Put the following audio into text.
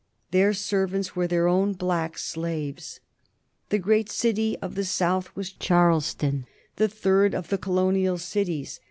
Their servants were their own black slaves. The great city of the South was Charleston, the third of the colonial cities.